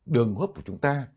đường hấp của chúng ta